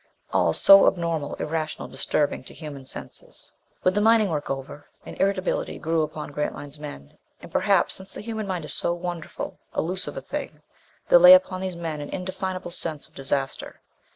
All so abnormal, irrational, disturbing to human senses. With the mining work over, an irritability grew upon Grantline's men. And perhaps since the human mind is so wonderful, elusive a thing, there lay upon these men an indefinable sense of disaster.